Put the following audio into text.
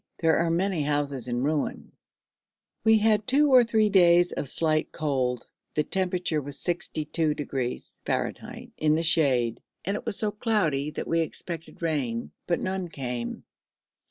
There are many houses in ruins. We had two or three days of slight cold. The temperature was 62° (F.) in the shade, and it was so cloudy that we expected rain, but none came.